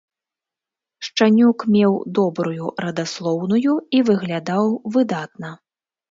Шчанюк меў добрую радаслоўную і выглядаў выдатна.